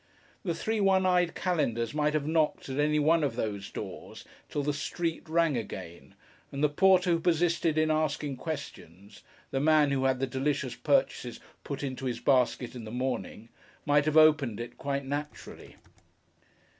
The three one eyed Calenders might have knocked at any one of those doors till the street rang again, and the porter who persisted in asking questions—the man who had the delicious purchases put into his basket in the morning—might have opened it quite naturally.